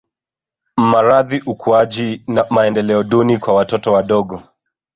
Maradhi ukuaji na maendeleo duni kwa watoto wadogo